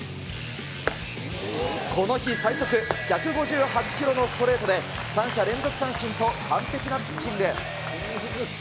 この日、最速１５８キロのストレートで、３者連続三振と完璧なピッチング。